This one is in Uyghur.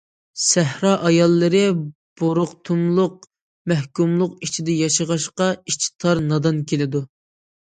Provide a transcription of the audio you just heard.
سەھرا ئاياللىرى بۇرۇقتۇملۇق، مەھكۇملۇق ئىچىدە ياشىغاچقا، ئىچى تار، نادان كېلىدۇ.